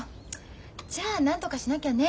じゃあなんとかしなきゃね。